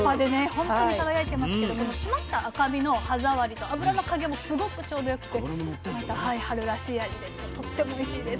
本当に輝いてますけども締まった赤身の歯触りと脂の加減もすごくちょうど良くてまた春らしい味でとってもおいしいです。